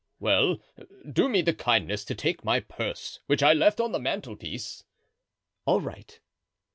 "Well, do me the kindness to take my purse, which I left on the mantelpiece." "All right."